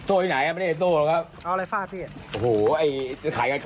โอ้โหโขหก